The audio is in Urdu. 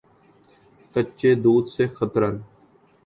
کچے دودھ سے خطرن